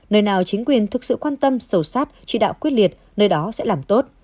nơi nào chính quyền thực sự quan tâm sầu sát chỉ đạo quyết liệt nơi đó sẽ làm tốt